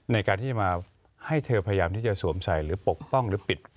ในการที่จะมาให้เธอพยายามที่จะสวมใส่หรือปกป้องหรือปิด